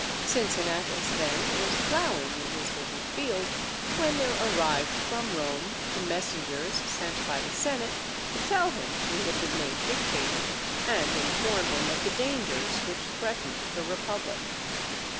_" Cincinnatus, then, was ploughing in his little field, when there arrived from Rome the messengers sent by the senate to tell him he had been made dictator, and inform him of the dangers which threatened the Republic.